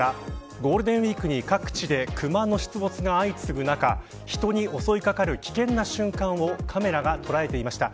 ゴールデンウイークに各地でクマの出没が相次ぐ中人に襲い掛かる危険な瞬間をカメラが捉えていました。